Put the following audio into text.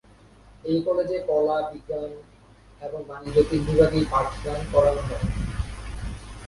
এই কলেজে কলা, বিজ্ঞান এবং বাণিজ্য তিন বিভাগেই পাঠদান করানো হয়ে থাকে।